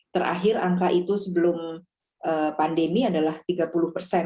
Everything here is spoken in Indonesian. terakhir angka itu sebelum pandemi adalah tiga puluh persen